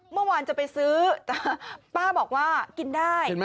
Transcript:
เมื่อวานจะไปซื้อแต่ป้าบอกว่ากินได้